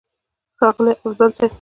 ښاغلی افضل صيب!!